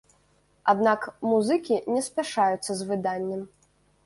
Аднак музыкі не спяшаюцца з выданнем.